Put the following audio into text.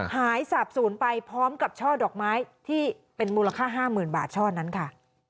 สาบศูนย์ไปพร้อมกับช่อดอกไม้ที่เป็นมูลค่า๕๐๐๐บาทช่อนั้นค่ะ